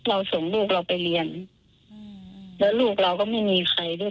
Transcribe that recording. เราส่งลูกเราไปเรียนแล้วลูกเราก็ไม่มีใครด้วย